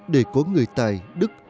để có người tài đức